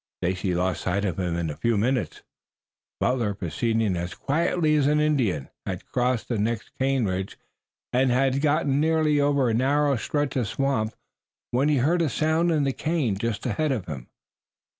Stacy lost sight of him in a few minutes. Butler, proceeding as quietly as an Indian, had crossed the next cane ridge and had gotten nearly over a narrow stretch of swamp when he heard a sound in the cane just ahead of him.